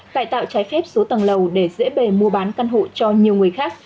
cải tạo trái phép số tầng lầu để dễ bề mua bán căn hộ cho nhiều người khác